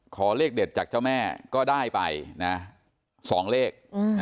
ขอเลขเด็ดจากเจ้าแม่ก็ได้ไปนะ๒เลข